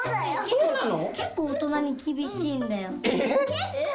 そうなの？